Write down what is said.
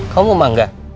kamu mau mangga